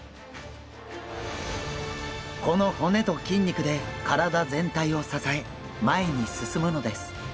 この骨と筋肉で体全体を支え前に進むのです。